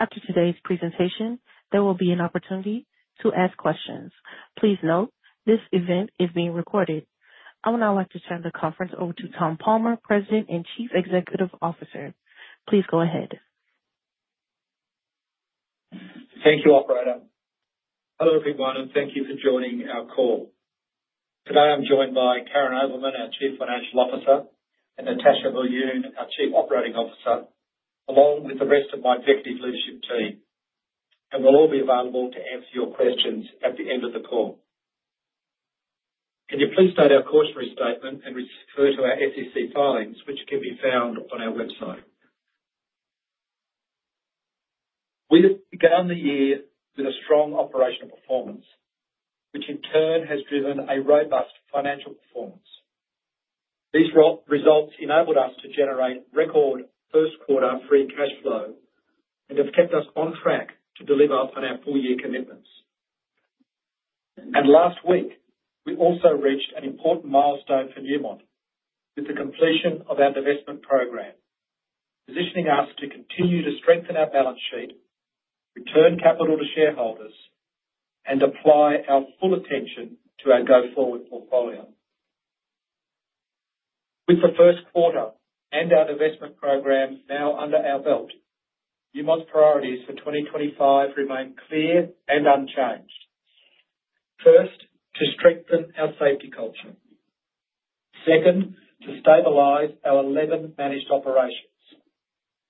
After today's presentation, there will be an opportunity to ask questions. Please note, this event is being recorded. I would now like to turn the conference over to Tom Palmer, President and Chief Executive Officer. Please go ahead. Thank you, operator. Hello, everyone, and thank you for joining our call. Today, I'm joined by Karyn Ovelmen, our Chief Financial Officer, and Natascha Viljoen, our Chief Operating Officer, along with the rest of my executive leadership team. We will all be available to answer your questions at the end of the call. Can you please state our cautionary statement and refer to our SEC filings, which can be found on our website? We began the year with a strong operational performance, which in turn has driven a robust financial performance. These results enabled us to generate record first-quarter free cash flow and have kept us on track to deliver on our four-year commitments. Last week, we also reached an important milestone for Newmont with the completion of our divestment program, positioning us to continue to strengthen our balance sheet, return capital to shareholders, and apply our full attention to our go-forward portfolio. With the first quarter and our divestment program now under our belt, Newmont's priorities for 2025 remain clear and unchanged. First, to strengthen our safety culture. Second, to stabilize our 11 managed operations.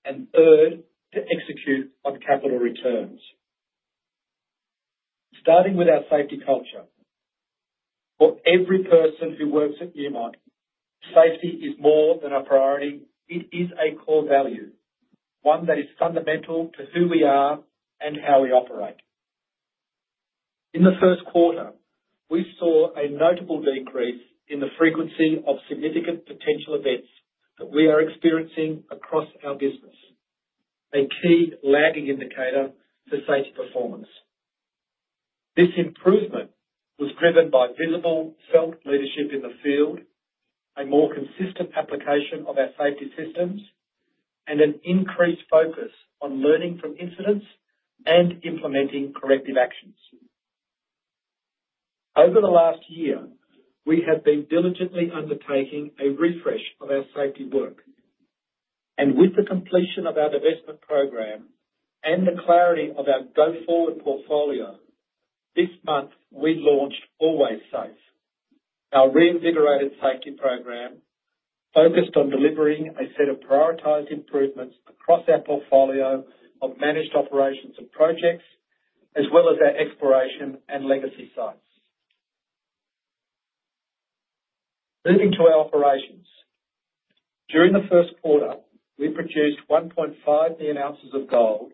Third, to execute on capital returns. Starting with our safety culture. For every person who works at Newmont, safety is more than a priority. It is a core value, one that is fundamental to who we are and how we operate. In the first quarter, we saw a notable decrease in the frequency of significant potential events that we are experiencing across our business, a key lagging indicator for safety performance. This improvement was driven by visible, felt leadership in the field, a more consistent application of our safety systems, and an increased focus on learning from incidents and implementing corrective actions. Over the last year, we have been diligently undertaking a refresh of our safety work. With the completion of our divestment program and the clarity of our go-forward portfolio, this month, we launched Always Safe, our reinvigorated safety program focused on delivering a set of prioritized improvements across our portfolio of managed operations and projects, as well as our exploration and legacy sites. Moving to our operations. During the first quarter, we produced 1.5 million ounces of gold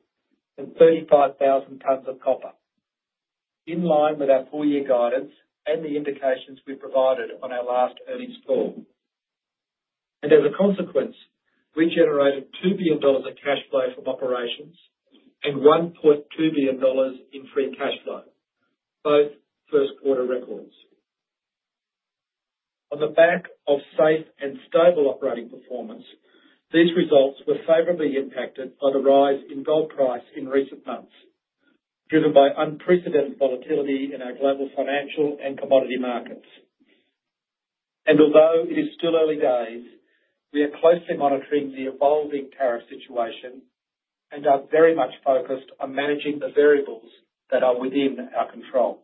and 35,000 tonnes of copper, in line with our four-year guidance and the indications we provided on our last earnings call. As a consequence, we generated $2 billion in cash flow from operations and $1.2 billion in free cash flow, both first-quarter records. On the back of safe and stable operating performance, these results were favorably impacted by the rise in gold price in recent months, driven by unprecedented volatility in our global financial and commodity markets. Although it is still early days, we are closely monitoring the evolving tariff situation and are very much focused on managing the variables that are within our control.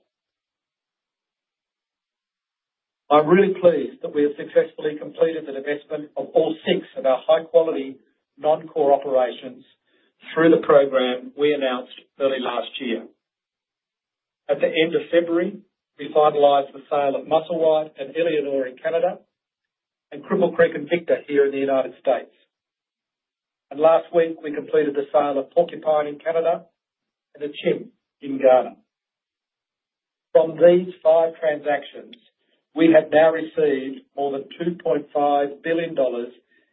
I'm really pleased that we have successfully completed the divestment of all six of our high-quality non-core operations through the program we announced early last year. At the end of February, we finalized the sale of Musselwhite and Éléonore in Canada and Cripple Creek & Victor here in the United States. Last week, we completed the sale of Porcupine in Canada and Ahafo in Ghana. From these five transactions, we have now received more than $2.5 billion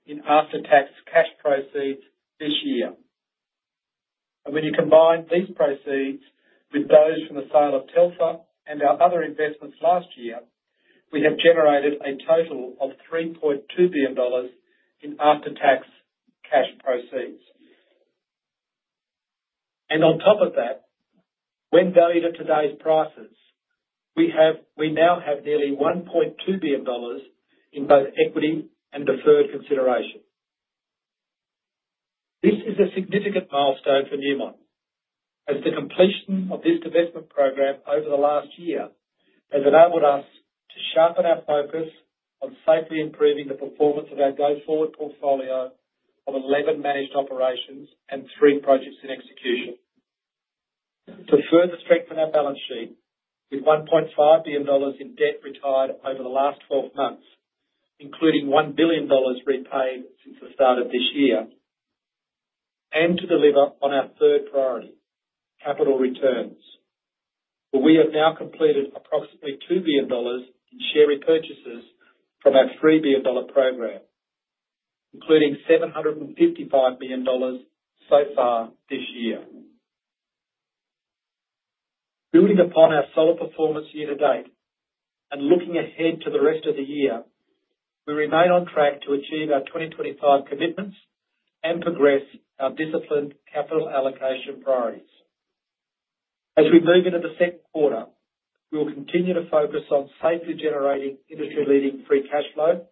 in after-tax cash proceeds this year. When you combine these proceeds with those from the sale of Telfer and our other investments last year, we have generated a total of $3.2 billion in after-tax cash proceeds. On top of that, when valued at today's prices, we now have nearly $1.2 billion in both equity and deferred consideration. This is a significant milestone for Newmont, as the completion of this divestment program over the last year has enabled us to sharpen our focus on safely improving the performance of our go-forward portfolio of 11 managed operations and three projects in execution. To further strengthen our balance sheet, with $1.5 billion in debt retired over the last 12 months, including $1 billion repaid since the start of this year, and to deliver on our third priority, capital returns, we have now completed approximately $2 billion in share repurchases from our $3 billion program, including $755 million so far this year. Building upon our solid performance year to date and looking ahead to the rest of the year, we remain on track to achieve our 2025 commitments and progress our disciplined capital allocation priorities. As we move into the second quarter, we will continue to focus on safely generating industry-leading free cash flow,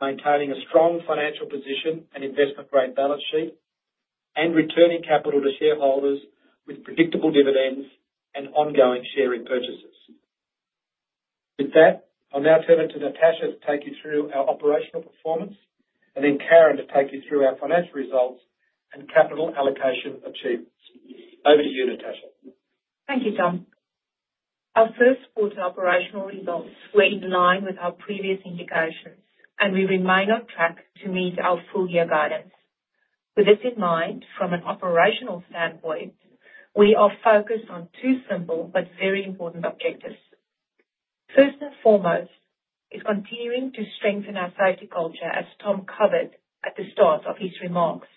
maintaining a strong financial position and investment-grade balance sheet, and returning capital to shareholders with predictable dividends and ongoing share repurchases. With that, I'll now turn it to Natascha to take you through our operational performance, and then Karyn to take you through our financial results and capital allocation achievements. Over to you, Natascha. Thank you, Tom. Our first quarter operational results were in line with our previous indications, and we remain on track to meet our four-year guidance. With this in mind, from an operational standpoint, we are focused on two simple but very important objectives. First and foremost is continuing to strengthen our safety culture, as Tom covered at the start of his remarks.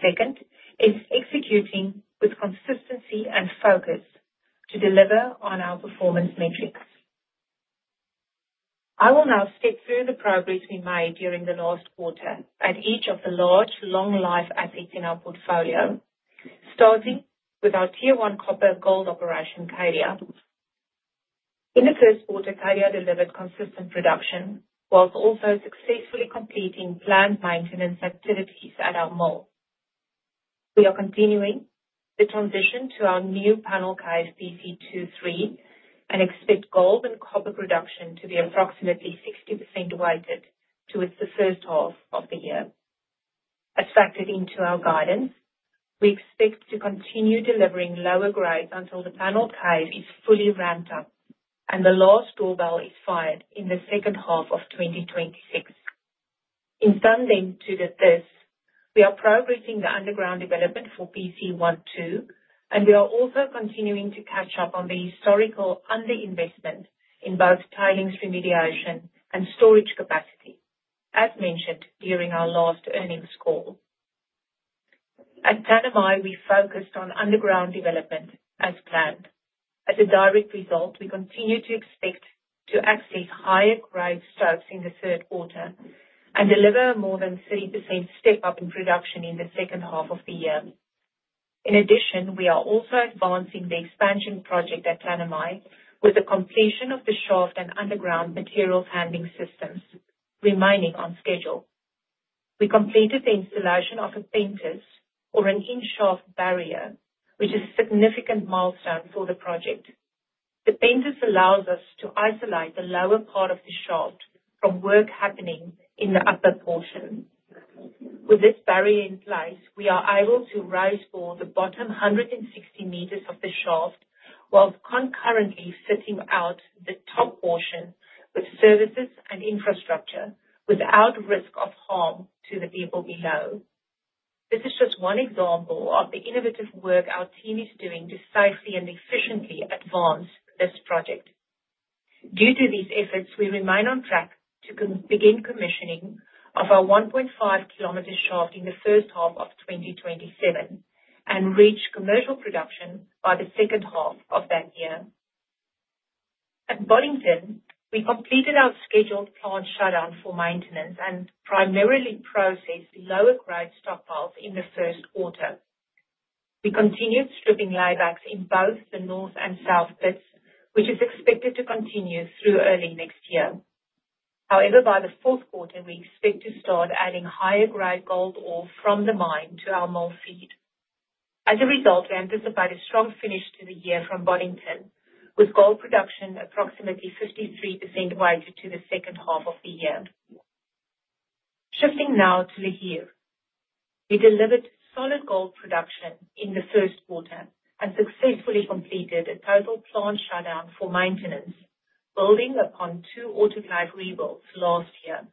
Second is executing with consistency and focus to deliver on our performance metrics. I will now step through the progress we made during the last quarter at each of the large long-life assets in our portfolio, starting with our Tier 1 copper gold operation, Cadia. In the first quarter, Cadia delivered consistent production whilst also successfully completing planned maintenance activities at our mill. We are continuing the transition to our new panel cave, PC2-3, and expect gold and copper production to be approximately 60% weighted towards the first half of the year. As factored into our guidance, we expect to continue delivering lower grades until the panel cave is fully ramped up and the last drawbell is fired in the second half of 2026. In addition to this, we are progressing the underground development for PC1-2, and we are also continuing to catch up on the historical underinvestment in both tailings remediation and storage capacity, as mentioned during our last earnings call. At Tanami, we focused on underground development as planned. As a direct result, we continue to expect to access higher grade stopes in the third quarter and deliver a more than 30% step-up in production in the second half of the year. In addition, we are also advancing the expansion project at Tanami with the completion of the shaft and underground materials handling systems, remaining on schedule. We completed the installation of a pentice or an in-shaft barrier, which is a significant milestone for the project. The pentice allows us to isolate the lower part of the shaft from work happening in the upper portion. With this barrier in place, we are able to raise for the bottom 160 m of the shaft whilst concurrently setting out the top portion with services and infrastructure without risk of harm to the people below. This is just one example of the innovative work our team is doing to safely and efficiently advance this project. Due to these efforts, we remain on track to begin commissioning of our 1.5 km shaft in the first half of 2027 and reach commercial production by the second half of that year. At Boddington, we completed our scheduled plant shutdown for maintenance and primarily processed lower-grade stockpiles in the first quarter. We continued stripping laybacks in both the north and south pits, which is expected to continue through early next year. However, by the fourth quarter, we expect to start adding higher-grade gold ore from the mine to our mill feed. As a result, we anticipate a strong finish to the year from Boddington, with gold production approximately 53% weighted to the second half of the year. Shifting now to the year, we delivered solid gold production in the first quarter and successfully completed a total plant shutdown for maintenance, building upon two autoclave rebuilds last year.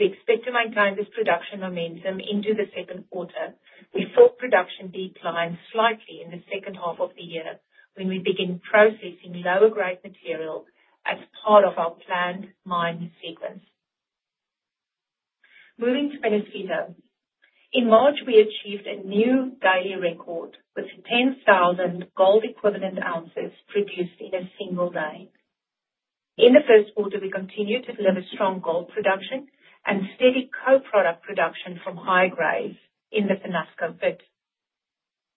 We expect to maintain this production momentum into the second quarter, with full production declining slightly in the second half of the year when we begin processing lower-grade material as part of our planned mine sequence. Moving to Peñasquito. In March, we achieved a new daily record with 10,000 gold-equivalent ounces produced in a single day. In the first quarter, we continue to deliver strong gold production and steady co-product production from higher grades in the Peñasco pit.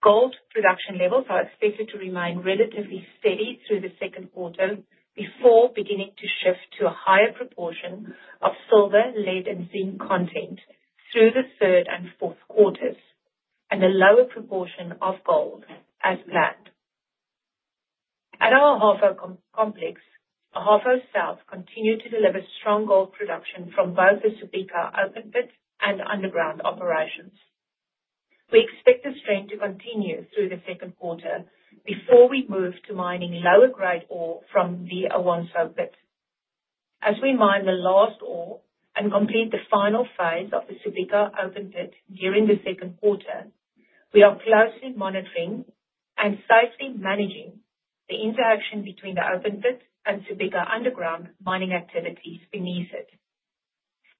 Gold production levels are expected to remain relatively steady through the second quarter before beginning to shift to a higher proportion of silver, lead, and zinc content through the third and fourth quarters, and a lower proportion of gold as planned. At our Ahafo complex, Ahafo South continued to deliver strong gold production from both the Subika open pit and underground operations. We expect this trend to continue through the second quarter before we move to mining lower-grade ore from the Awonsu pit. As we mine the last ore and complete the final phase of the Subika open pit during the second quarter, we are closely monitoring and safely managing the interaction between the open pit and Subika underground mining activities beneath it.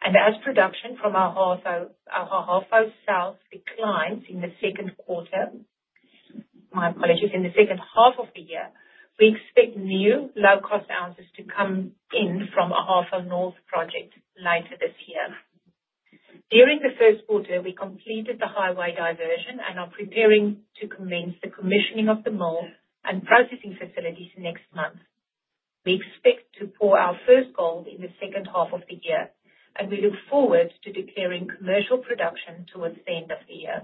As production from our Ahafo South declines in the second quarter, my apologies, in the second half of the year, we expect new low-cost ounces to come in from our Ahafo North project later this year. During the first quarter, we completed the highway diversion and are preparing to commence the commissioning of the mill and processing facilities next month. We expect to pour our first gold in the second half of the year, and we look forward to declaring commercial production towards the end of the year.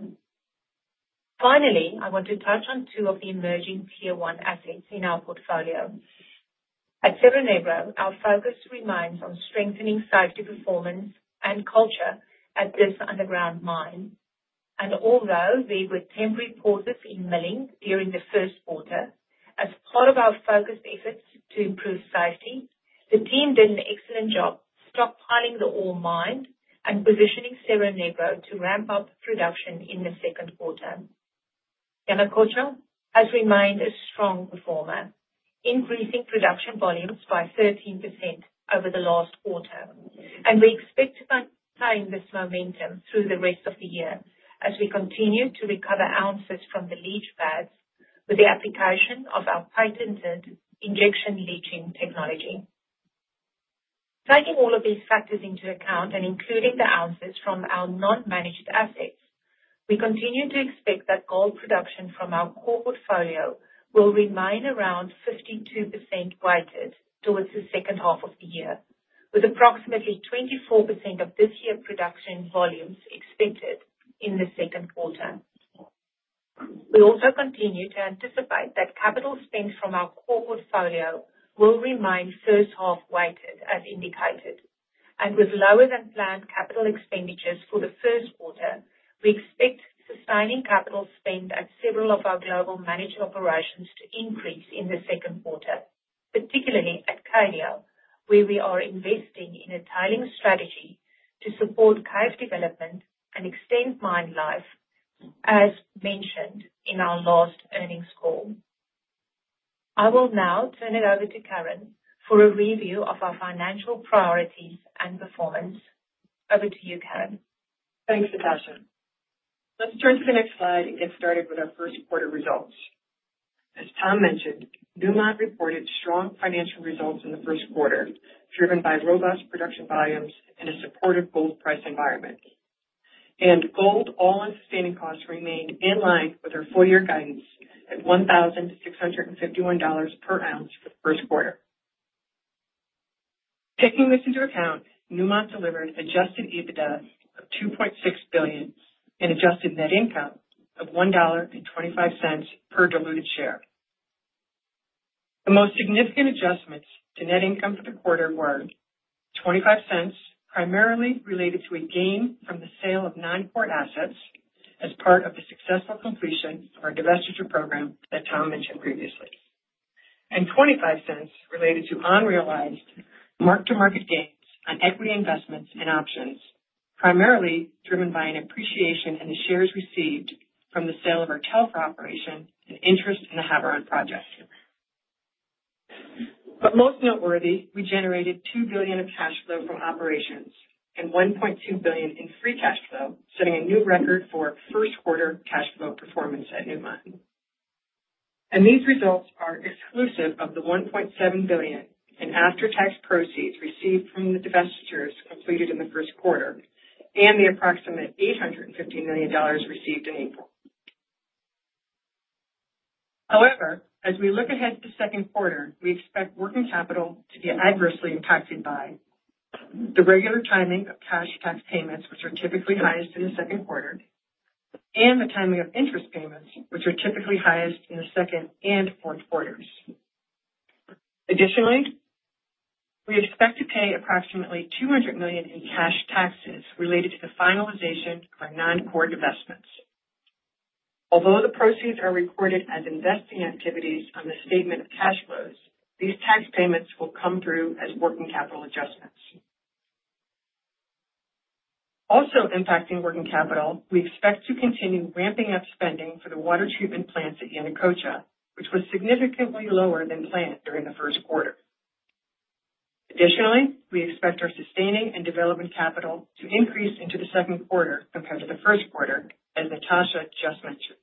Finally, I want to touch on two of the emerging Tier 1 assets in our portfolio. At Cerro Negro, our focus remains on strengthening safety performance and culture at this underground mine. Although we were temporary pauses in milling during the first quarter as part of our focused efforts to improve safety, the team did an excellent job stockpiling the ore mined and positioning Cerro Negro to ramp up production in the second quarter. Yanacocha has remained a strong performer, increasing production volumes by 13% over the last quarter. We expect to maintain this momentum through the rest of the year as we continue to recover ounces from the leach pads with the application of our patented injection leaching technology. Taking all of these factors into account and including the ounces from our non-managed assets, we continue to expect that gold production from our core portfolio will remain around 52% weighted towards the second half of the year, with approximately 24% of this year's production volumes expected in the second quarter. We also continue to anticipate that capital spent from our core portfolio will remain first-half weighted as indicated. With lower-than-planned capital expenditures for the first quarter, we expect sustaining capital spend at several of our global managed operations to increase in the second quarter, particularly at Cadia, where we are investing in a tailings strategy to support cave development and extend mine life, as mentioned in our last earnings call. I will now turn it over to Karyn for a review of our financial priorities and performance. Over to you, Karyn. Thanks, Natascha. Let's turn to the next slide and get started with our first quarter results. As Tom mentioned, Newmont reported strong financial results in the first quarter, driven by robust production volumes and a supportive gold price environment. Gold all-in sustaining costs remained in line with our four-year guidance at $1,651 per ounce for the first quarter. Taking this into account, Newmont delivered adjusted EBITDA of $2.6 billion and adjusted net income of $1.25 per diluted share. The most significant adjustments to net income for the quarter were $0.25, primarily related to a gain from the sale of non-core assets as part of the successful completion of our divestiture program that Tom mentioned previously, and $0.25 related to unrealized mark-to-market gains on equity investments and options, primarily driven by an appreciation in the shares received from the sale of our Telfer operation and interest in the Havieron project. Most noteworthy, we generated $2 billion in cash flow from operations and $1.2 billion in free cash flow, setting a new record for first-quarter cash flow performance at Newmont. These results are exclusive of the $1.7 billion in after-tax proceeds received from the divestitures completed in the first quarter and the approximate $850 million received in April. However, as we look ahead to the second quarter, we expect working capital to be adversely impacted by the regular timing of cash tax payments, which are typically highest in the second quarter, and the timing of interest payments, which are typically highest in the second and fourth quarters. Additionally, we expect to pay approximately $200 million in cash taxes related to the finalization of our non-core divestments. Although the proceeds are recorded as investing activities on the statement of cash flows, these tax payments will come through as working capital adjustments. Also impacting working capital, we expect to continue ramping up spending for the water treatment plants at Yanacocha, which was significantly lower than planned during the first quarter. Additionally, we expect our sustaining and development capital to increase into the second quarter compared to the first quarter, as Natascha just mentioned.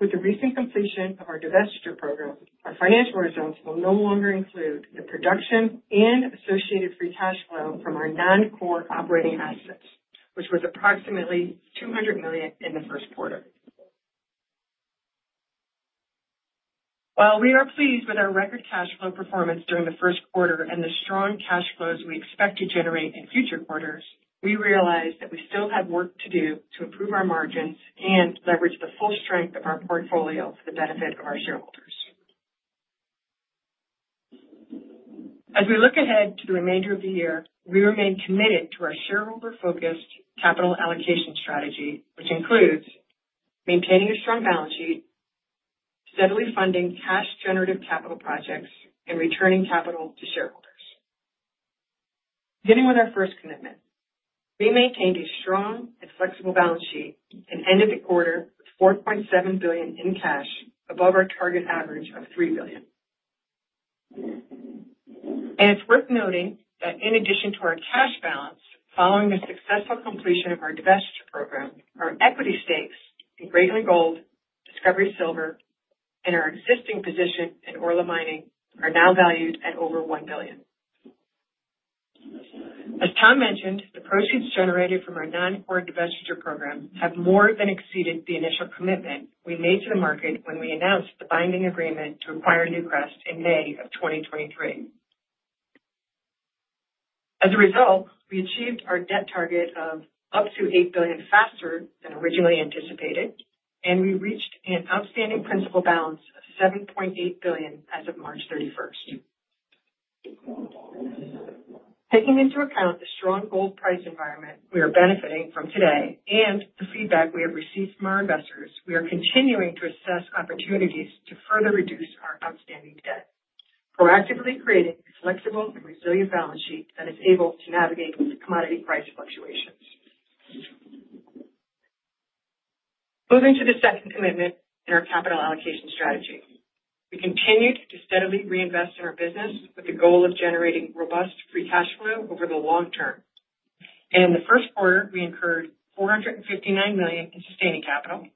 With the recent completion of our divestiture program, our financial results will no longer include the production and associated free cash flow from our non-core operating assets, which was approximately $200 million in the first quarter. While we are pleased with our record cash flow performance during the first quarter and the strong cash flows we expect to generate in future quarters, we realize that we still have work to do to improve our margins and leverage the full strength of our portfolio for the benefit of our shareholders. As we look ahead to the remainder of the year, we remain committed to our shareholder-focused capital allocation strategy, which includes maintaining a strong balance sheet, steadily funding cash-generative capital projects, and returning capital to shareholders. Beginning with our first commitment, we maintained a strong and flexible balance sheet at the end of the quarter with $4.7 billion in cash above our target average of $3 billion. It is worth noting that in addition to our cash balance, following the successful completion of our divestiture program, our equity stakes in Greatland Gold, Discovery Silver, and our existing position in Orla Mining are now valued at over $1 billion. As Tom mentioned, the proceeds generated from our non-core divestiture program have more than exceeded the initial commitment we made to the market when we announced the binding agreement to acquire Newcrest in May of 2023. As a result, we achieved our debt target of up to $8 billion faster than originally anticipated, and we reached an outstanding principal balance of $7.8 billion as of March 31st. Taking into account the strong gold price environment we are benefiting from today and the feedback we have received from our investors, we are continuing to assess opportunities to further reduce our outstanding debt, proactively creating a flexible and resilient balance sheet that is able to navigate commodity price fluctuations. Moving to the second commitment in our capital allocation strategy, we continued to steadily reinvest in our business with the goal of generating robust free cash flow over the long term. In the first quarter, we incurred $459 million in sustaining capital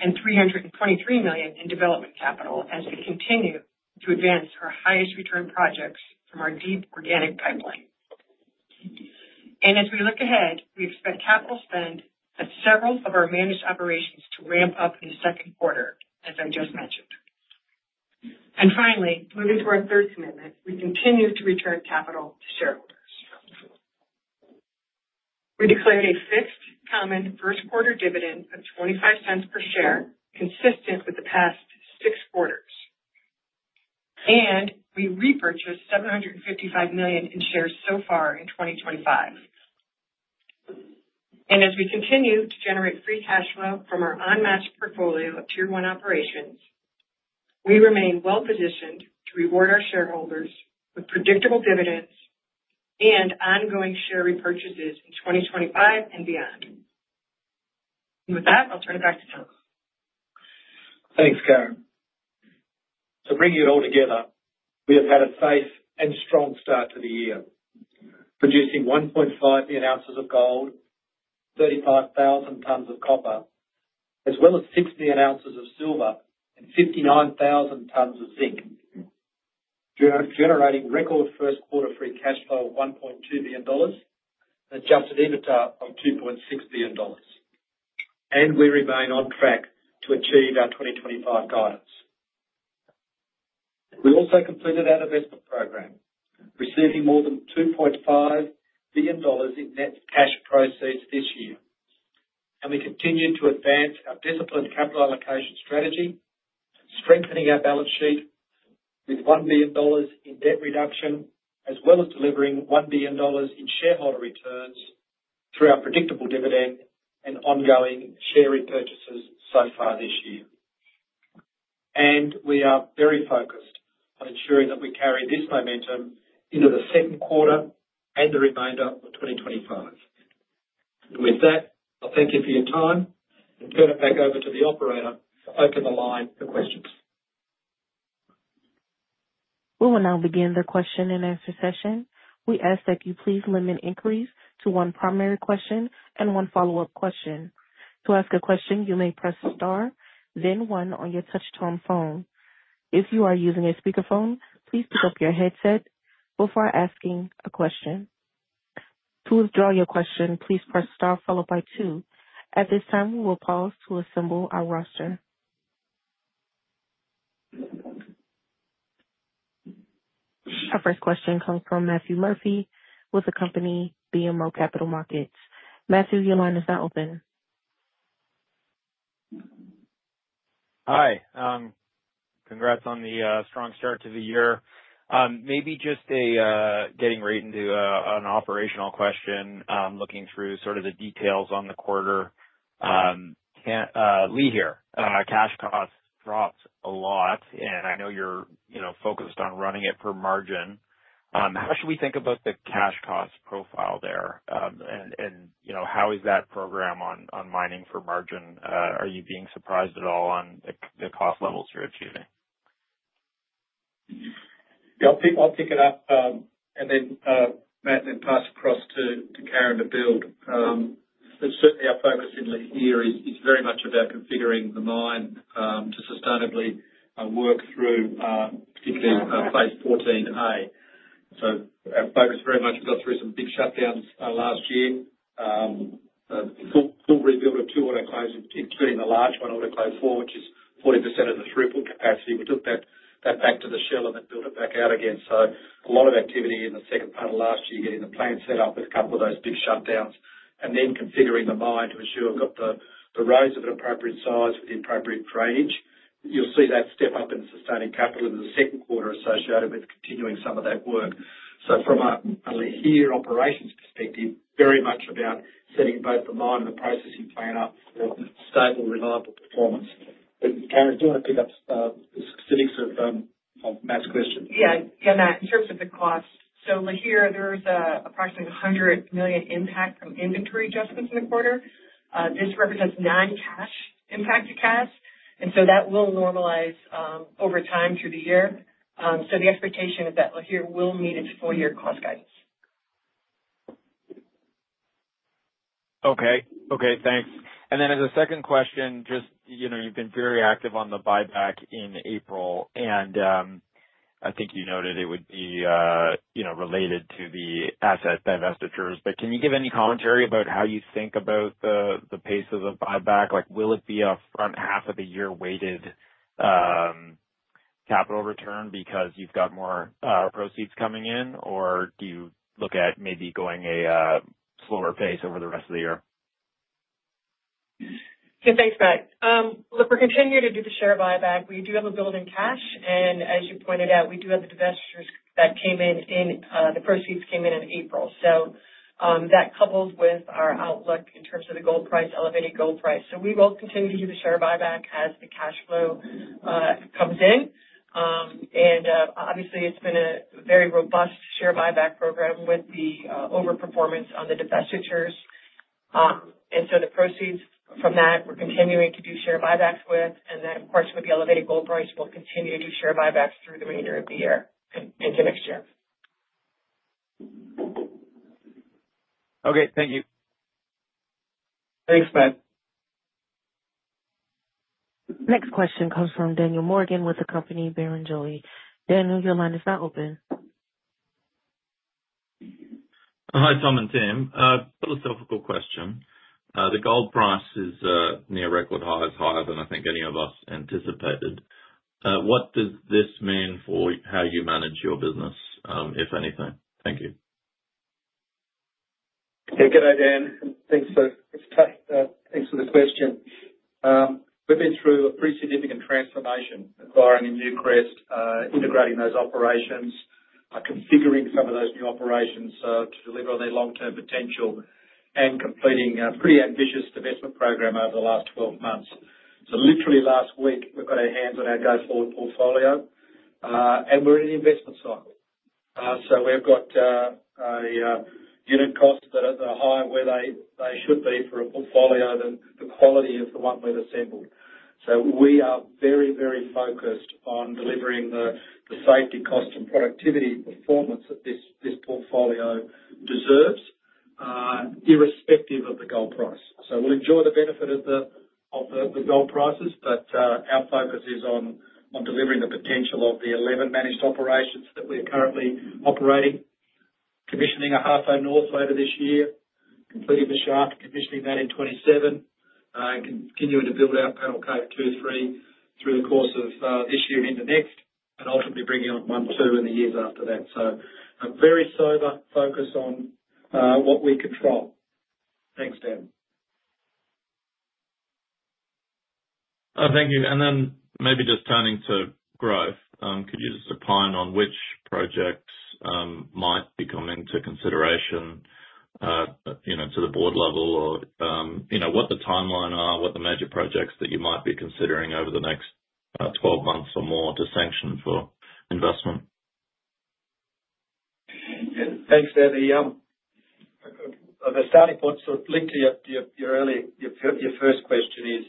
and $323 million in development capital as we continue to advance our highest-return projects from our deep organic pipeline. As we look ahead, we expect capital spend at several of our managed operations to ramp up in the second quarter, as I just mentioned. Finally, moving to our third commitment, we continue to return capital to shareholders. We declared a fixed common first-quarter dividend of $0.25 per share, consistent with the past six quarters. We repurchased $755 million in shares so far in 2025. As we continue to generate free cash flow from our unmatched portfolio of tier one operations, we remain well-positioned to reward our shareholders with predictable dividends and ongoing share repurchases in 2025 and beyond. With that, I'll turn it back to Tom. Thanks, Karyn. Bringing it all together, we have had a safe and strong start to the year, producing 1.5 million ounces of gold, 35,000 tons of copper, as well as 6 million ounces of silver and 59,000 tons of zinc, generating record first-quarter free cash flow of $1.2 billion and adjusted EBITDA of $2.6 billion. We remain on track to achieve our 2025 guidance. We also completed our divestment program, receiving more than $2.5 billion in net cash proceeds this year. We continue to advance our disciplined capital allocation strategy, strengthening our balance sheet with $1 billion in debt reduction, as well as delivering $1 billion in shareholder returns through our predictable dividend and ongoing share repurchases so far this year. We are very focused on ensuring that we carry this momentum into the second quarter and the remainder of 2025. With that, I'll thank you for your time and turn it back over to the operator to open the line for questions. We will now begin the question-and-answer session. We ask that you please limit inquiries to one primary question and one follow-up question. To ask a question, you may press star, then one on your touch-tone phone. If you are using a speakerphone, please pick up your headset before asking a question. To withdraw your question, please press star followed by two. At this time, we will pause to assemble our roster. Our first question comes from Matthew Murphy with the company BMO Capital Markets. Matthew, your line is now open. Hi. Congrats on the strong start to the year. Maybe just getting right into an operational question, looking through sort of the details on the quarter. Lihir. Cash costs dropped a lot, and I know you're focused on running it per margin. How should we think about the cash cost profile there? And how is that program on mining for margin? Are you being surprised at all on the cost levels you're achieving? I'll pick it up. Then Matt, pass across to Karyn to build. Certainly, our focus in the year is very much about configuring the mine to sustainably work through, particularly Phase 14A. Our focus very much got through some big shutdowns last year. Full rebuild of two autoclaves, including the large one, autoclave four, which is 40% of the throughput capacity. We took that back to the shell and then built it back out again. A lot of activity in the second part of last year, getting the plan set up with a couple of those big shutdowns, and then configuring the mine to ensure we've got the rows of an appropriate size with the appropriate range. You'll see that step up in sustaining capital in the second quarter associated with continuing some of that work. From a lead here operations perspective, very much about setting both the mine and the processing plan up for stable, reliable performance. Karyn, do you want to pick up the specifics of Matt's question? Yeah. Yeah, Matt. In terms of the cost, here, there is an approximately $100 million impact from inventory adjustments in the quarter. This represents non-cash impact to cash. That will normalize over time through the year. The expectation is that here will meet its full-year cost guidance. Okay. Okay. Thanks. As a second question, just you've been very active on the buyback in April. I think you noted it would be related to the asset divestitures. Can you give any commentary about how you think about the pace of the buyback? Will it be a front half of the year weighted capital return because you've got more proceeds coming in? Do you look at maybe going a slower pace over the rest of the year? Yeah. Thanks, Matt. Look, we're continuing to do the share buyback. We do have a build in cash. As you pointed out, we do have the divestitures that came in. The proceeds came in in April. That couples with our outlook in terms of the gold price, elevated gold price. We will continue to do the share buyback as the cash flow comes in. Obviously, it's been a very robust share buyback program with the overperformance on the divestitures. The proceeds from that, we're continuing to do share buybacks with. Of course, with the elevated gold price, we'll continue to do share buybacks through the remainder of the year into next year. Okay. Thank you. Thanks, Matt. Next question comes from Daniel Morgan with the company Barrenjoey. Daniel, your line is now open. Hi, Tom and Tim. Philosophical question. The gold price is near record highs, higher than I think any of us anticipated. What does this mean for how you manage your business, if anything? Thank you. Good day, Dan. Thanks for the question. We've been through a pretty significant transformation acquiring Newcrest, integrating those operations, configuring some of those new operations to deliver on their long-term potential, and completing a pretty ambitious divestment program over the last 12 months. Literally last week, we've got our hands on our go-forward portfolio. We're in an investment cycle. We've got unit costs that are higher where they should be for a portfolio than the quality of the one we've assembled. We are very, very focused on delivering the safety cost and productivity performance that this portfolio deserves, irrespective of the gold price. We'll enjoy the benefit of the gold prices, but our focus is on delivering the potential of the 11 managed operations that we're currently operating, commissioning Ahafo North this year, completing the shaft, commissioning that in 2027, continuing to build out Panel Cave 2 and 3 through the course of this year and into next, and ultimately bringing on 1, too in the years after that. A very sober focus on what we control. Thanks, Dan. Thank you. Maybe just turning to growth, could you just opine on which projects might be coming to consideration to the board level or what the timeline are, what the major projects that you might be considering over the next 12 months or more to sanction for investment? Thanks, Dan. The starting point sort of linked to your first question is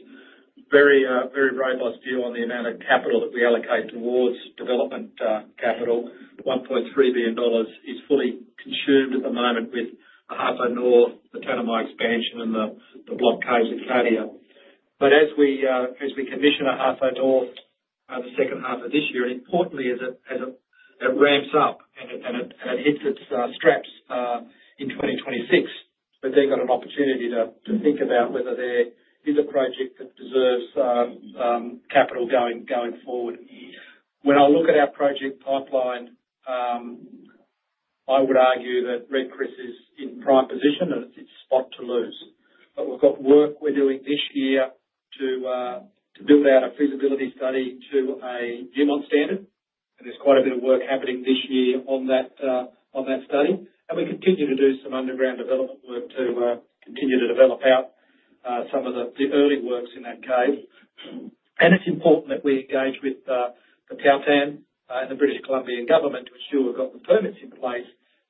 a very robust view on the amount of capital that we allocate towards development capital. $1.3 billion is fully consumed at the moment with the Ahafo North, the Tanami mine expansion, and the block caves in Cadia. As we commission Ahafo North the second half of this year, and importantly, as it ramps up and it hits its straps in 2026, they've got an opportunity to think about whether there is a project that deserves capital going forward. When I look at our project pipeline, I would argue that Red Chris is in prime position, and it's spot to lose. We've got work we're doing this year to build out a feasibility study to a Newmont standard. There is quite a bit of work happening this year on that study. We continue to do some underground development work to continue to develop out some of the early works in that cave. It is important that we engage with the First Nations and the British Columbian government to ensure we have the permits in place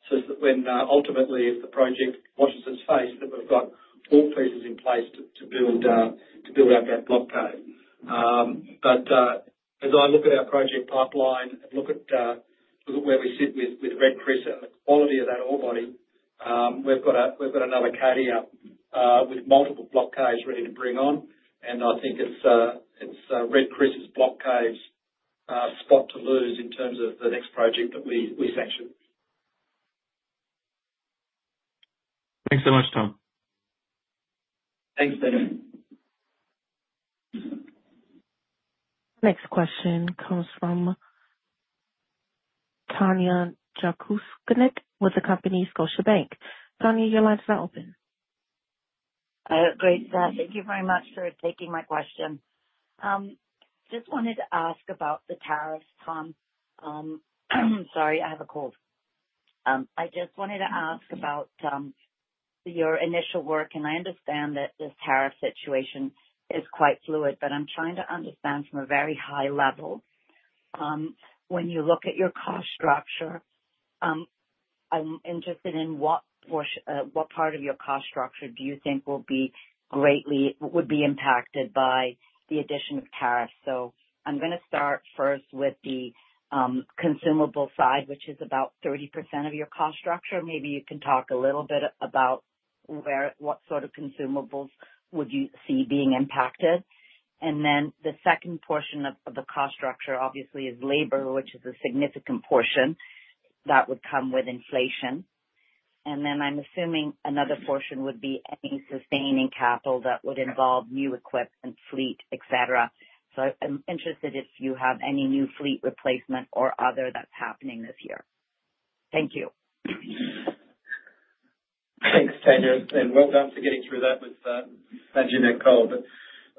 so that when ultimately, if the project washes its face, we have all pieces in place to build out that block cave. As I look at our project pipeline and look at where we sit with Red Chris and the quality of that ore body, we have another Cadia with multiple block caves ready to bring on. I think it is Red Chris's block caves spot to lose in terms of the next project that we sanction. Thanks so much, Tom. Thanks, Dan. Next question comes from Tanya Jakusconek with the company Scotiabank. Tanya, your line is now open. Great, sir. Thank you very much for taking my question. Just wanted to ask about the tariffs, Tom. Sorry, I have a cold. I just wanted to ask about your initial work. I understand that this tariff situation is quite fluid, but I'm trying to understand from a very high level, when you look at your cost structure, I'm interested in what part of your cost structure do you think would be impacted by the addition of tariffs. I'm going to start first with the consumable side, which is about 30% of your cost structure. Maybe you can talk a little bit about what sort of consumables would you see being impacted. The second portion of the cost structure, obviously, is labor, which is a significant portion that would come with inflation. I'm assuming another portion would be any sustaining capital that would involve new equipment, fleet, etc. I'm interested if you have any new fleet replacement or other that's happening this year. Thank you. Thanks, Tanya, and well done for getting through that with [Jeanette] and cold.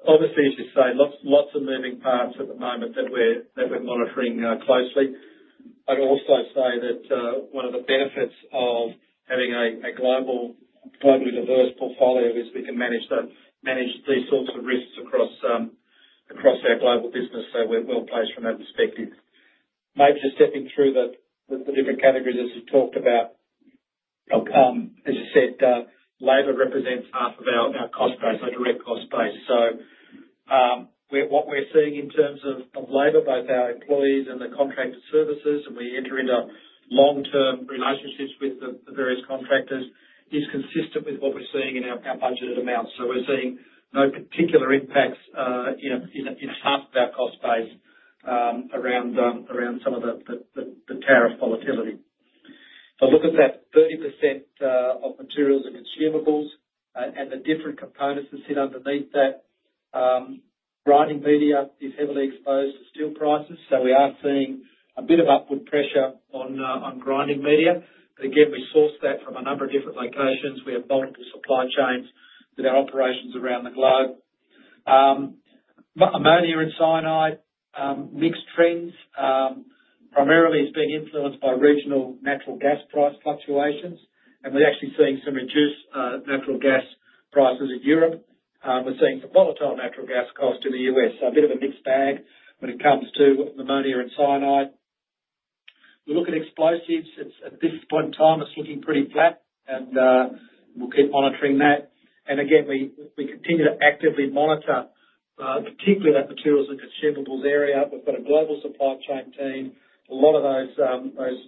Obviously, as you say, lots of moving parts at the moment that we're monitoring closely. I'd also say that one of the benefits of having a globally diverse portfolio is we can manage these sorts of risks across our global business. We're well placed from that perspective. Maybe just stepping through the different categories as you talked about, as you said, labor represents half of our cost base, our direct cost base. What we're seeing in terms of labor, both our employees and the contractor services, and we enter into long-term relationships with the various contractors, is consistent with what we're seeing in our budgeted amounts. We're seeing no particular impacts in half of our cost base around some of the tariff volatility. If I look at that 30% of materials and consumables and the different components that sit underneath that, grinding media is heavily exposed to steel prices. We are seeing a bit of upward pressure on grinding media. Again, we source that from a number of different locations. We have multiple supply chains with our operations around the globe. Ammonia and cyanide mixed trends primarily is being influenced by regional natural gas price fluctuations. We are actually seeing some reduced natural gas prices in Europe. We are seeing some volatile natural gas costs in the U.S. A bit of a mixed bag when it comes to ammonia and cyanide. We look at explosives. At this point in time, it is looking pretty flat, and we will keep monitoring that. Again, we continue to actively monitor, particularly that materials and consumables area. We have got a global supply chain team. A lot of those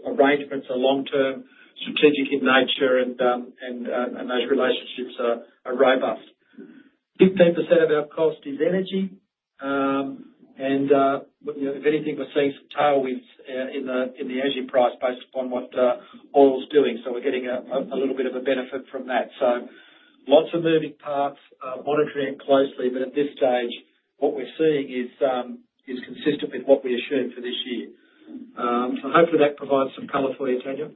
arrangements are long-term, strategic in nature, and those relationships are robust. 15% of our cost is energy. If anything, we're seeing some tailwinds in the energy price based upon what oil's doing. We're getting a little bit of a benefit from that. Lots of moving parts, monitoring it closely. At this stage, what we're seeing is consistent with what we assumed for this year. Hopefully, that provides some color for you, Tanya?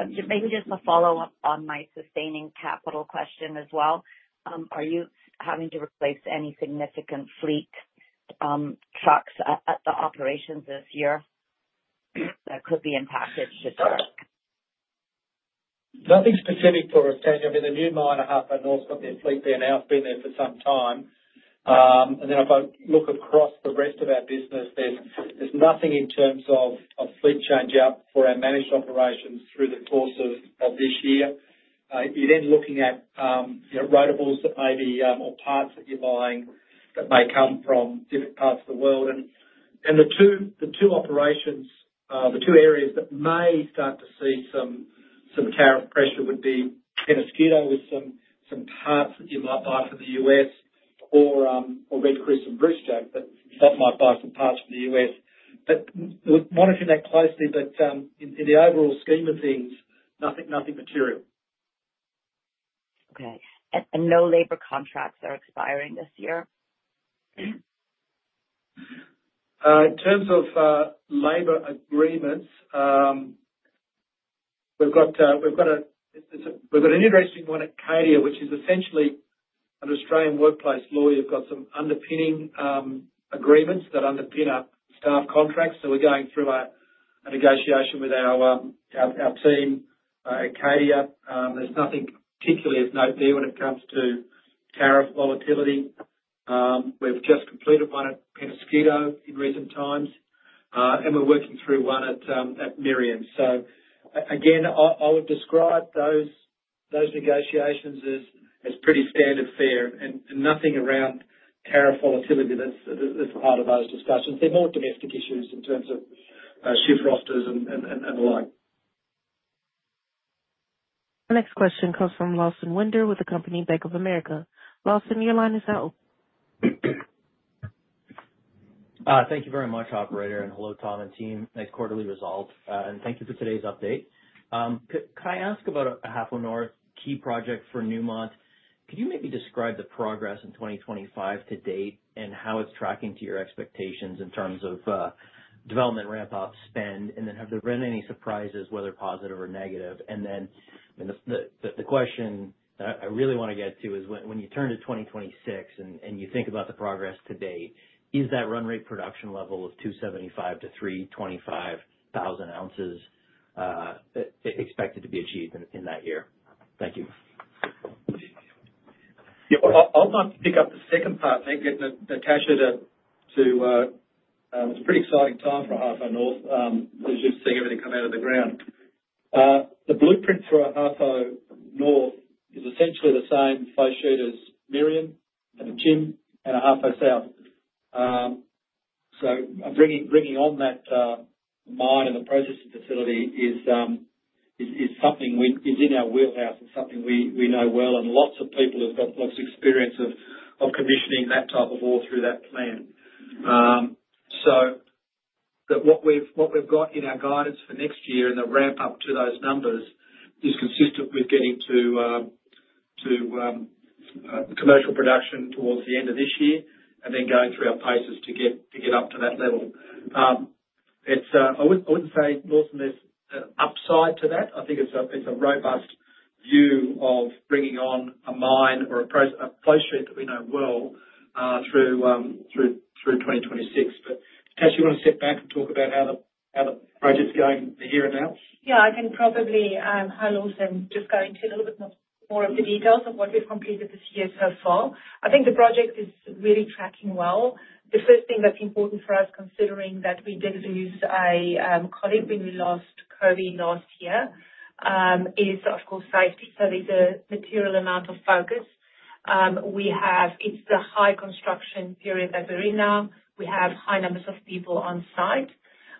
Maybe just a follow-up on my sustaining capital question as well. Are you having to replace any significant fleet trucks at the operations this year that could be impacted? Nothing specific for us, Tanya, with the Newmont and Ahafo North, but their fleet there now has been there for some time. If I look across the rest of our business, there is nothing in terms of fleet change-out for our managed operations through the course of this year. You are then looking at rotables that may be or parts that you are buying that may come from different parts of the world. The two operations, the two areas that may start to see some tariff pressure would be Peñasquito with some parts that you might buy from the U.S., or Red Chris and Brucejack that might buy some parts from the U.S. We are monitoring that closely. In the overall scheme of things, nothing material. Okay. No labor contracts are expiring this year? In terms of labor agreements, we've got an interesting one at Cadia, which is essentially an Australian workplace law. You've got some underpinning agreements that underpin our staff contracts. We're going through a negotiation with our team at Cadia. There's nothing particularly of note there when it comes to tariff volatility. We've just completed one at Peñasquito in recent times. We're working through one at Merian. I would describe those negotiations as pretty standard fare. Nothing around tariff volatility as part of those discussions. They're more domestic issues in terms of shift rosters and the like. Next question comes from Lawson Winder with the company Bank of America. Lawson, your line is now open. Thank you very much, Operator. Hello, Tom and team. Nice quarterly results. Thank you for today's update. Can I ask about Ahafo North key project for Newmont? Could you maybe describe the progress in 2025 to date and how it's tracking to your expectations in terms of development ramp-up spend? Have there been any surprises, whether positive or negative? The question that I really want to get to is when you turn to 2026 and you think about the progress to date, is that run rate production level of 275,000-325,000 ounces expected to be achieved in that year? Thank you. Yeah. I'll pick up the second part. Thank you. Natascha, it's a pretty exciting time for Ahafo North as you're seeing everything come out of the ground. The blueprint for Ahafo North is essentially the same photo as Merian, Akyem and Ahafo South. Bringing on that mine and the processing facility is something that is in our wheelhouse. It's something we know well. Lots of people have got lots of experience of commissioning that type of ore through that plant. What we've got in our guidance for next year and the ramp-up to those numbers is consistent with getting to commercial production towards the end of this year and then going through our paces to get up to that level. I wouldn't say not much upside to that. I think it's a robust view of bringing on a mine or a processing that we know well through 2026. Natascha, you want to sit back and talk about how the project's going here and now? Yeah. I can probably help Lawson just go into a little bit more of the details of what we've completed this year so far. I think the project is really tracking well. The first thing that's important for us, considering that we did lose a colleague when we lost Kofi last year, is, of course, safety. There is a material amount of focus. It is the high construction period that we're in now. We have high numbers of people on site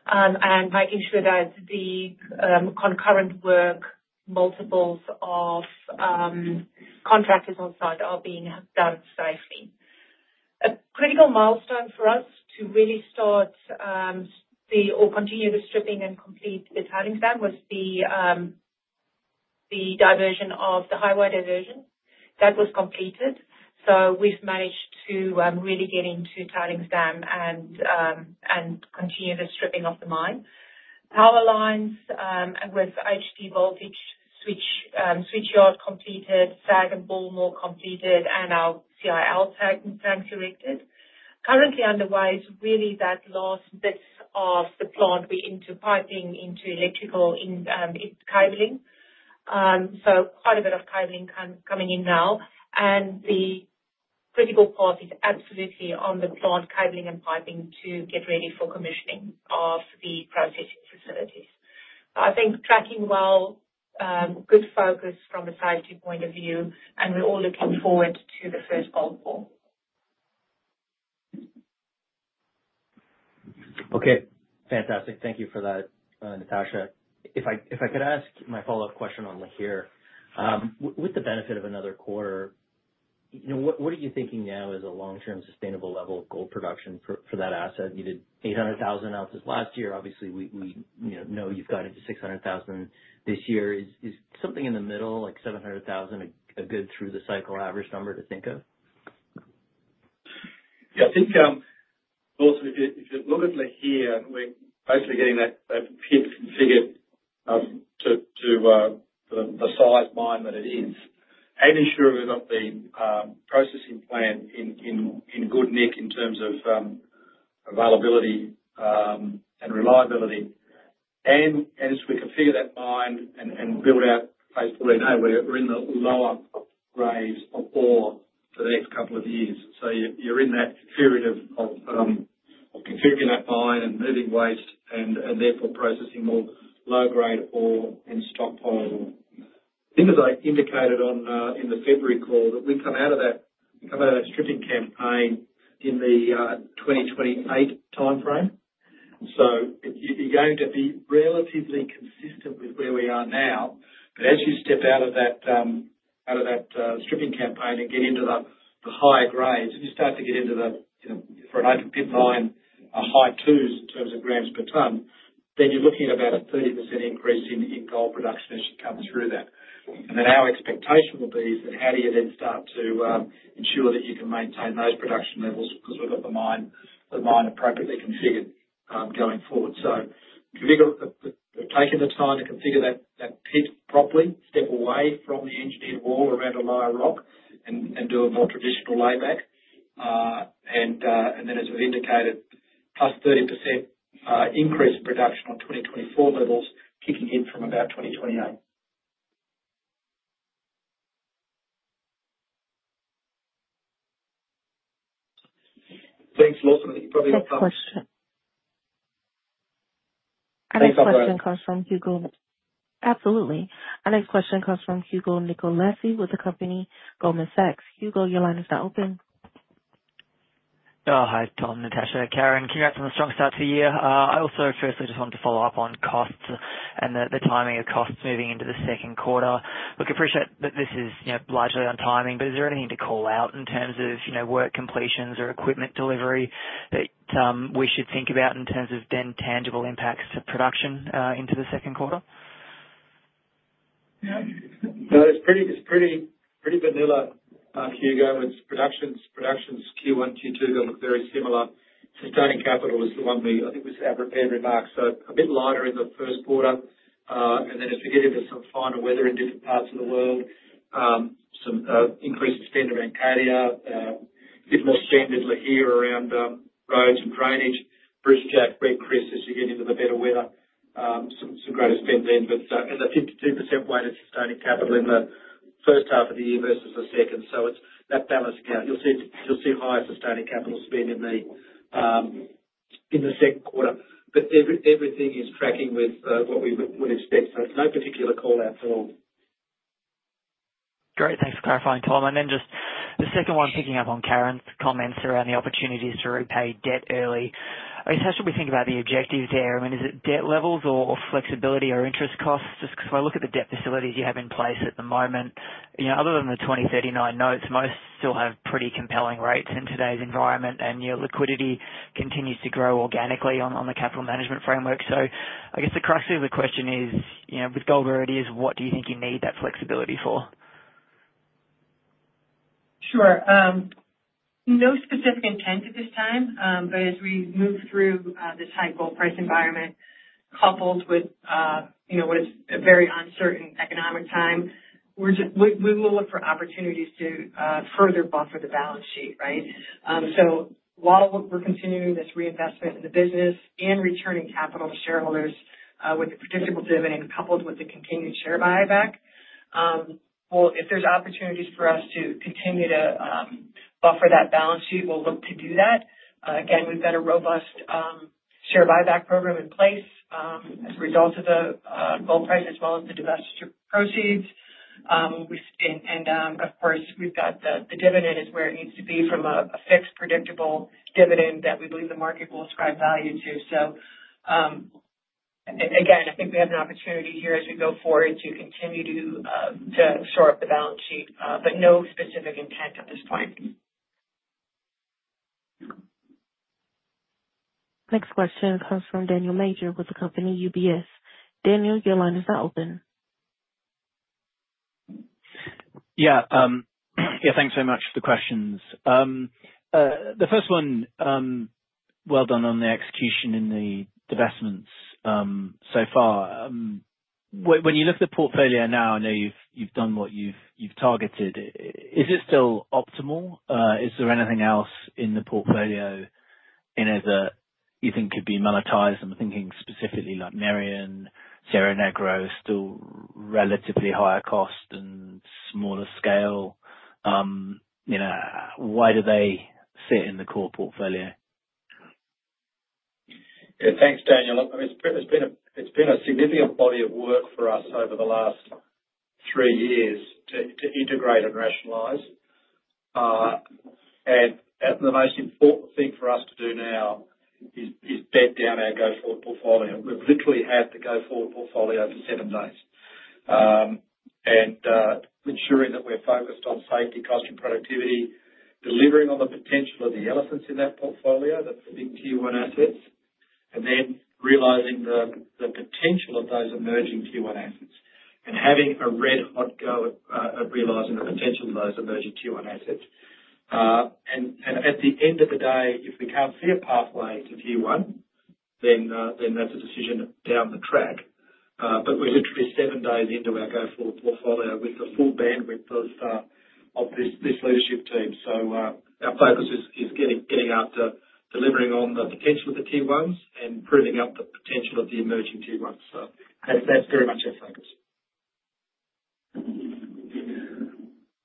and making sure that the concurrent work, multiples of contractors on site are being done safely. A critical milestone for us to really start or continue the stripping and complete the tailings dam was the diversion of the highway diversion. That was completed. We have managed to really get into the tailings dam and continue the stripping of the mine. Power lines with high-voltage switchyard completed, SAG and ball mill completed, and our CIL tank connected. Currently underway is really that last bit of the plant, we're into piping and electrical cabling. Quite a bit of cabling coming in now. The critical part is absolutely on the plant cabling and piping to get ready for commissioning of the processing facilities. I think tracking well, good focus from a safety point of view. We are all looking forward to the first gold pour. Okay. Fantastic. Thank you for that, Natascha. If I could ask my follow-up question on Lihir, with the benefit of another quarter, what are you thinking now is a long-term sustainable level of gold production for that asset? You did 800,000 ounces last year. Obviously, we know you've got it to 600,000 this year. Is something in the middle, like 700,000, a good through-the-cycle average number to think of? Yeah. I think if you look at Lihir, we're basically getting that configured to the size mine that it is, and ensuring we've got the processing plant in good nick in terms of availability and reliability. As we configure that mine and build out Phase 14A, we're in the lower grades of ore for the next couple of years. You're in that period of configuring that mine and moving waste and therefore processing more low-grade ore and stockpile. I think as I indicated in the February call that we come out of that stripping campaign in the 2028 timeframe. You're going to be relatively consistent with where we are now. As you step out of that stripping campaign and get into the higher grades, and you start to get into the, for an open pit mine, a high twos in terms of grams per ton, then you're looking at about a 30% increase in gold production as you come through that. Our expectation will be is that how do you then start to ensure that you can maintain those production levels because we've got the mine appropriately configured going forward. We have taken the time to configure that pit properly, step away from the engineered wall around a lower rock and do a more traditional layback. As we've indicated, +30% increase in production on 2024 levels kicking in from about 2028. Thanks, Lawson. You probably have a question. Quick question. Our next question comes from Hugo. Absolutely. Our next question comes from Hugo Nicolaci with the company Goldman Sachs. Hugo, your line is now open. Hi, Tom, Natascha, Karyn. Congrats on a strong start to the year. I also firstly just wanted to follow up on costs and the timing of costs moving into the second quarter. We appreciate that this is largely on timing, but is there anything to call out in terms of work completions or equipment delivery that we should think about in terms of then tangible impacts to production into the second quarter? No. It's pretty vanilla, Hugo. Production's Q1, Q2 go look very similar. Sustaining capital is the one we, I think, was our repair remarks. So a bit lighter in the first quarter. As we get into some finer weather in different parts of the world, some increased spend around Cadia, a bit more spend in Lihir around roads and drainage. Brucejack, Red Chris, as you get into the better weather, some greater spend then. There's a 52% weight of sustaining capital in the first half of the year versus the second. That balancing out, you'll see higher sustaining capital spend in the second quarter. Everything is tracking with what we would expect. No particular call-out at all. Great. Thanks for clarifying, Tom. Then just the second one picking up on Karyn's comments around the opportunities to repay debt early. I guess how should we think about the objectives there? I mean, is it debt levels or flexibility or interest costs? Just because I look at the debt facilities you have in place at the moment, other than the 2039 notes, most still have pretty compelling rates in today's environment. Liquidity continues to grow organically on the capital management framework. I guess the crux of the question is, with gold as it is, what do you think you need that flexibility for? Sure. No specific intent at this time. As we move through this high gold price environment, coupled with a very uncertain economic time, we will look for opportunities to further buffer the balance sheet, right? While we're continuing this reinvestment in the business and returning capital to shareholders with the predictable dividend coupled with the continued share buyback, if there's opportunities for us to continue to buffer that balance sheet, we'll look to do that. Again, we've got a robust share buyback program in place as a result of the gold price as well as the divestiture proceeds. Of course, we've got the dividend is where it needs to be from a fixed predictable dividend that we believe the market will ascribe value to. I think we have an opportunity here as we go forward to continue to shore up the balance sheet, but no specific intent at this point. Next question comes from Daniel Major with the company UBS. Daniel, your line is now open. Yeah. Yeah. Thanks so much for the questions. The first one, well done on the execution in the divestments so far. When you look at the portfolio now, I know you've done what you've targeted. Is it still optimal? Is there anything else in the portfolio that you think could be monetized? I'm thinking specifically like Merian, Cerro Negro, still relatively higher cost and smaller scale. Why do they sit in the core portfolio? Thanks, Daniel. It's been a significant body of work for us over the last three years to integrate and rationalize. The most important thing for us to do now is bed down our go-forward portfolio. We've literally had the go-forward portfolio for seven days. Ensuring that we're focused on safety, cost, and productivity, delivering on the potential of the elephants in that portfolio, the big Tier 1 assets, and then realizing the potential of those emerging Tier 1 assets and having a red-hot go at realizing the potential of those emerging Tier 1 assets. At the end of the day, if we can't see a pathway to Tier 1, then that's a decision down the track. We're literally seven days into our go-forward portfolio with the full bandwidth of this leadership team. Our focus is getting out to delivering on the potential of the Tier 1s and proving out the potential of the emerging Tier 1s. That is very much our focus.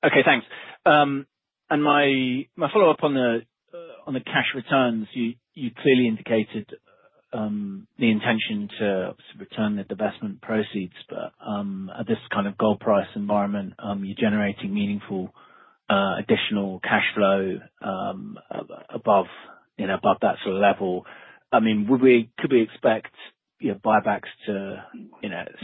Okay. Thanks. My follow-up on the cash returns, you clearly indicated the intention to return the divestment proceeds. At this kind of gold price environment, you're generating meaningful additional cash flow above that sort of level. I mean, could we expect buybacks to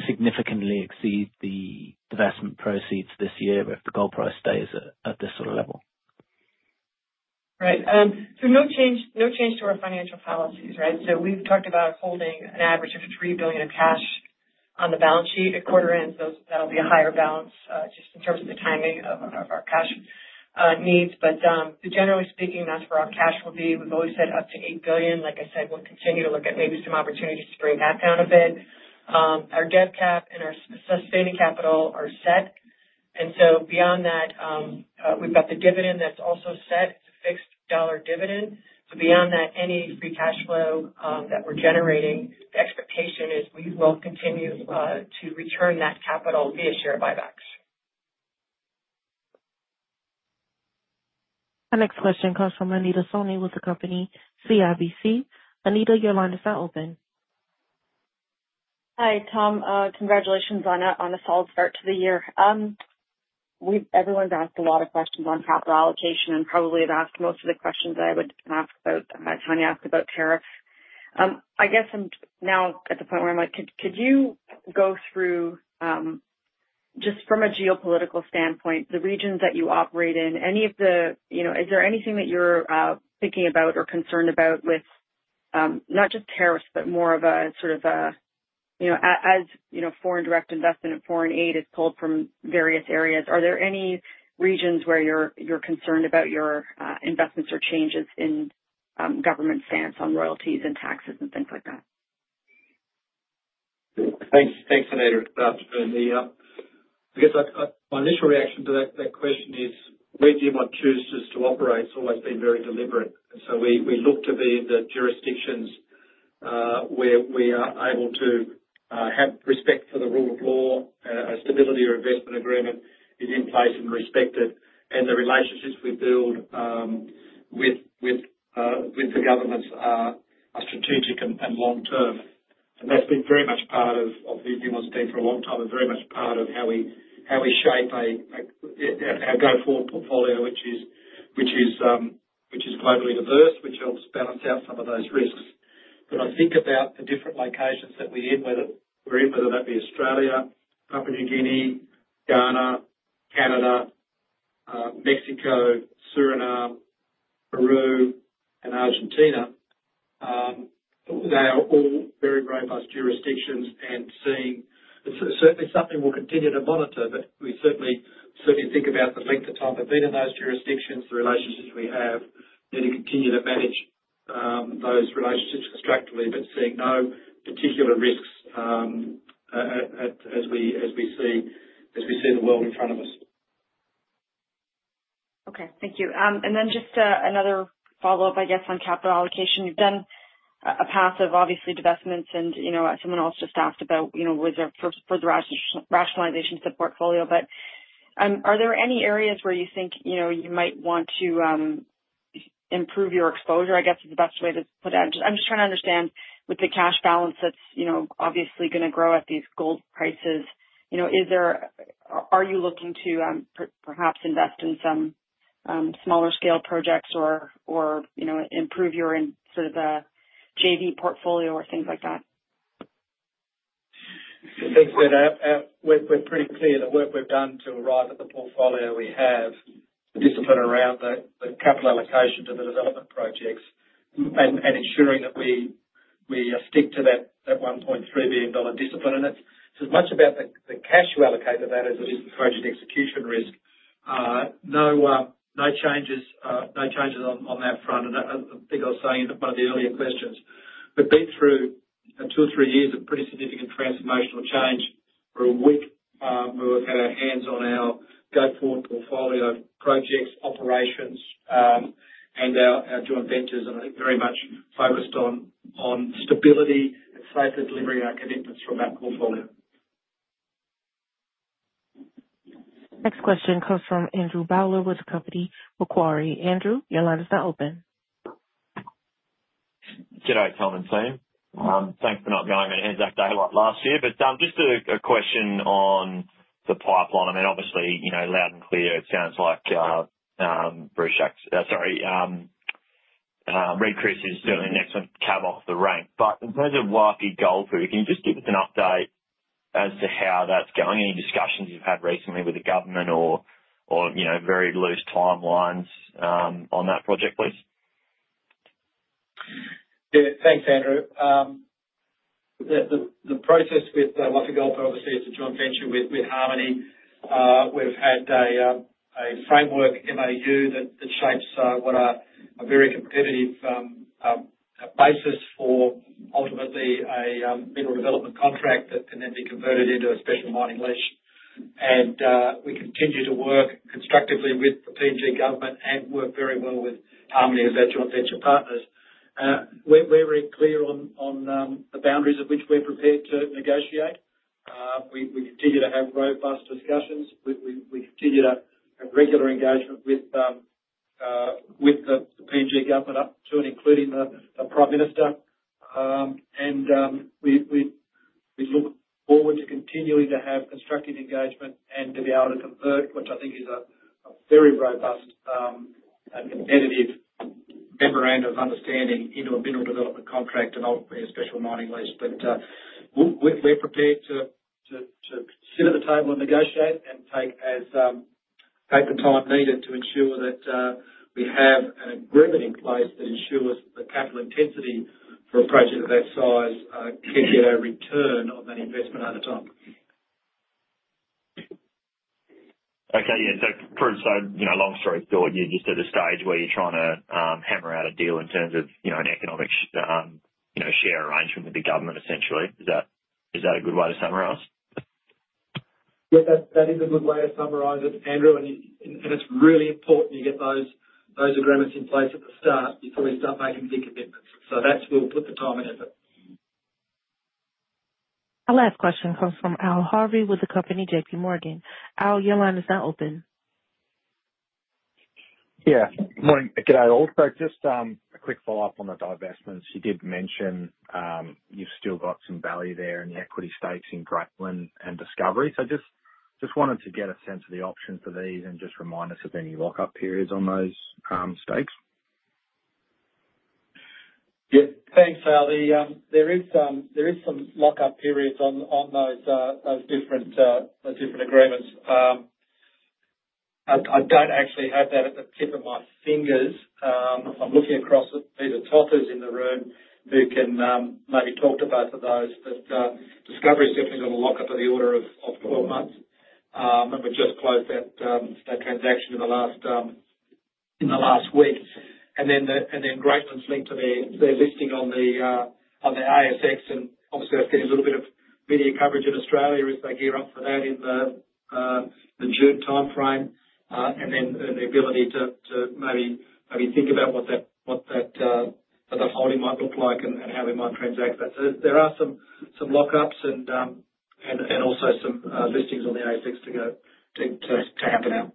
significantly exceed the divestment proceeds this year if the gold price stays at this sort of level? Right. No change to our financial policies, right? We have talked about holding an average of $3 billion of cash on the balance sheet. At quarter ends, that will be a higher balance just in terms of the timing of our cash needs. Generally speaking, that is where our cash will be. We have always said up to $8 billion. Like I said, we will continue to look at maybe some opportunities to bring that down a bit. Our Dev Cap and our sustaining capital are set. Beyond that, we have got the dividend that is also set. It is a fixed dollar dividend. Beyond that, any free cash flow that we are generating, the expectation is we will continue to return that capital via share buybacks. Our next question comes from Anita Soni with the company CIBC. Anita, your line is now open. Hi, Tom. Congratulations on a solid start to the year. Everyone's asked a lot of questions on capital allocation and probably have asked most of the questions I would ask about Tanya asked about tariffs. I guess I'm now at the point where I'm like, could you go through just from a geopolitical standpoint, the regions that you operate in, any of the is there anything that you're thinking about or concerned about with not just tariffs, but more of a sort of a as foreign direct investment and foreign aid is pulled from various areas, are there any regions where you're concerned about your investments or changes in government stance on royalties and taxes and things like that? Thanks, Anita. I guess my initial reaction to that question is, where do you want to choose to operate? It's always been very deliberate. We look to be in the jurisdictions where we are able to have respect for the rule of law, a stability or investment agreement is in place and respected. The relationships we build with the governments are strategic and long-term. That has been very much part of who we want to be for a long time and very much part of how we shape our go-forward portfolio, which is globally diverse, which helps balance out some of those risks. I think about the different locations that we're in, whether that be Australia, Papua New Guinea, Ghana, Canada, Mexico, Suriname, Peru, and Argentina, they are all very robust jurisdictions and seeing it's certainly something we'll continue to monitor, but we certainly think about the length of time we've been in those jurisdictions, the relationships we have, and to continue to manage those relationships constructively, but seeing no particular risks as we see the world in front of us. Okay. Thank you. Just another follow-up, I guess, on capital allocation. You've done a path of obviously divestments, and someone else just asked about with the rationalization of the portfolio. Are there any areas where you think you might want to improve your exposure? I guess it's the best way to put it. I'm just trying to understand with the cash balance that's obviously going to grow at these gold prices, are you looking to perhaps invest in some smaller scale projects or improve your sort of JV portfolio or things like that? I think we're pretty clear that what we've done to arrive at the portfolio we have, the discipline around the capital allocation to the development projects, and ensuring that we stick to that $1.3 billion discipline. It's as much about the cash you allocate to that as it is the project execution risk. No changes on that front. I think I was saying in one of the earlier questions, we've been through two or three years of pretty significant transformational change where we've had our hands on our go-forward portfolio projects, operations, and our joint ventures, and I think very much focused on stability and safely delivering our commitments from that portfolio. Next question comes from Andrew Bowler with the company Macquarie. Andrew, your line is now open. G'day, Tom and team. Thanks for not going on a Anzac Day like last year. I mean, obviously, loud and clear, it sounds like Red Chris is certainly next cab off the rank. In terms of Wafi-Golpu for you, can you just give us an update as to how that's going? Any discussions you've had recently with the government or very loose timelines on that project, please? Yeah. Thanks, Andrew. The process with Wafi-Golpu obviously is a joint venture with Harmony. We've had a framework MOU that shapes what are a very competitive basis for ultimately a mineral development contract that can then be converted into a special mining lease. We continue to work constructively with the PNG government and work very well with Harmony as our joint venture partners. We're very clear on the boundaries of which we're prepared to negotiate. We continue to have robust discussions. We continue to have regular engagement with the PNG government up to and including the Prime Minister. We look forward to continuing to have constructive engagement and to be able to convert, which I think is a very robust and competitive memorandum of understanding, into a mineral development contract and ultimately a special mining lease. We're prepared to sit at the table and negotiate and take the time needed to ensure that we have an agreement in place that ensures the capital intensity for a project of that size can get a return on that investment over time. Okay. Yeah. Long story short, you're just at a stage where you're trying to hammer out a deal in terms of an economic share arrangement with the government, essentially. Is that a good way to summarize? Yeah. That is a good way to summarize it, Andrew. It is really important you get those agreements in place at the start before you start making big commitments. That is where we will put the time and effort. Our last question comes from Al Harvey with the company JPMorgan. Al, your line is now open. Yeah. Good day, Al. Just a quick follow-up on the divestments. You did mention you've still got some value there in the equity stakes in Greatland and Discovery. Just wanted to get a sense of the options for these and just remind us of any lockup periods on those stakes. Yeah. Thanks, Al. There is some lockup periods on those different agreements. I do not actually have that at the tip of my fingers. I am looking across at Peter Toth in the room who can maybe talk to both of those. But Discovery's definitely got a lockup of the order of 12 months. We just closed that transaction in the last week. Greatland's linked to their listing on the ASX. Obviously, that is getting a little bit of media coverage in Australia as they gear up for that in the June timeframe. The ability to maybe think about what that holding might look like and how we might transact that. There are some lockups and also some listings on the ASX to happen out.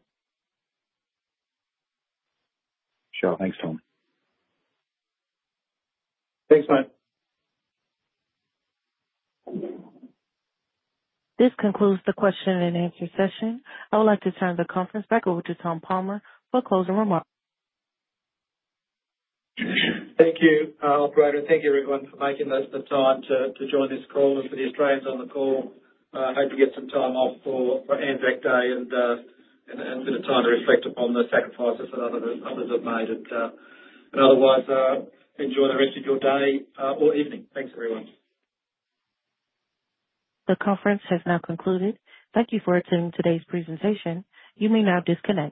Sure. Thanks, Tom. Thanks, mate. This concludes the question and answer session. I would like to turn the conference back over to Tom Palmer for closing remarks. Thank you, Operator. Thank you, everyone, for making the time to join this call. For the Australians on the call, hope you get some time off for Anzac Day and a bit of time to reflect upon the sacrifices that others have made. Otherwise, enjoy the rest of your day or evening. Thanks, everyone. The conference has now concluded. Thank you for attending today's presentation. You may now disconnect.